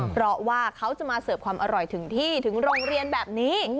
เพราะว่าเขาจะมาเสิร์ฟความอร่อยถึงที่ถึงโรงเรียนแบบนี้